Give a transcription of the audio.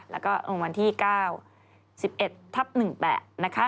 แล้วก็ลงวันที่๙๑๑๑๘นะคะ